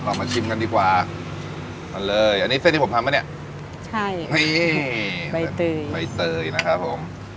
มาชิมกันดีกว่ามาเลยอันนี้เส้นที่ผมทำปะเนี่ยใช่นี่ใบเตยใบเตยนะครับผม